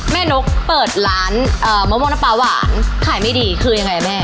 แม่นุ๊กเปิดร้านเอ่อมะมะนับปลาหวานขายไม่ดีคือยังไงแม่